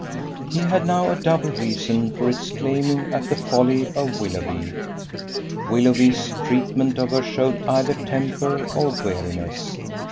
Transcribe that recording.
He had now a double reason for exclaiming at the folly of Willoughby. Willoughby's treatment of her showed either temper or weariness.